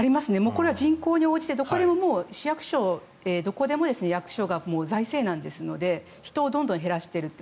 これは人口に応じて市役所どこでも役所が財政難ですので人をどんどん減らしていると。